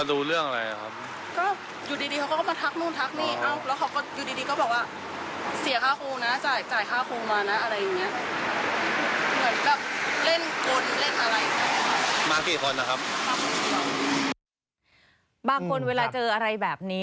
แล้วดูเรื่องอะไรนะครับก็อยู่ดีเขาก็มาทักนู่นทักนี่